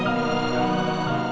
aku mau makan